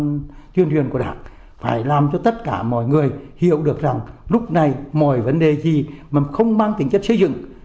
cơ quan truyền của đảng phải làm cho tất cả mọi người hiểu được rằng lúc này mọi vấn đề gì mà không mang tính chất xây dựng